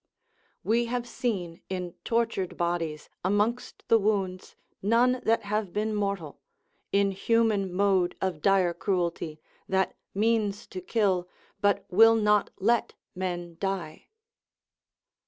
["We have seen in tortured bodies, amongst the wounds, none that have been mortal, inhuman mode of dire cruelty, that means to kill, but will not let men die."